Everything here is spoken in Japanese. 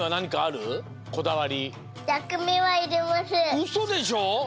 うそでしょ！